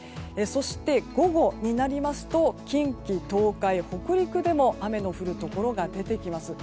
そして午後になりますと近畿、東海・北陸でも雨の降るところが出てきています。